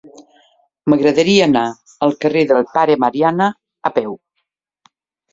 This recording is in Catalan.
M'agradaria anar al carrer del Pare Mariana a peu.